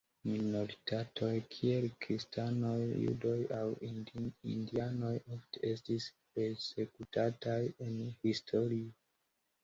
Minoritatoj, kiel kristanoj, judoj aŭ indianoj ofte estis persekutataj en historio.